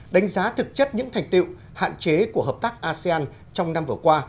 đánh giá thực chất những thành tiệu hạn chế của hợp tác asean trong năm vừa qua